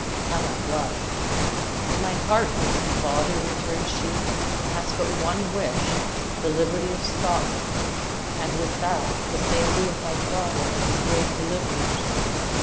Helen blushed. "My heart, reverend father," returned she, "has but one wish the liberty of Scotland; and, with that, the safety of my father and his brave deliverers."